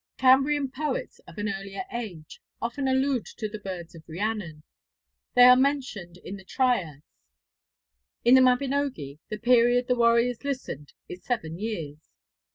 Cambrian poets of an earlier age often allude to the birds of Rhiannon; they are mentioned in the Triads. In the Mabinogi, the period the warriors listened is seven years.